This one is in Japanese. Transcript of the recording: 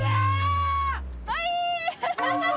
はい！